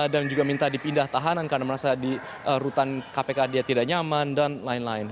dan juga minta dipindah tahanan karena merasa di rutan kpk dia tidak nyaman dan lain lain